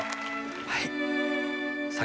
はい。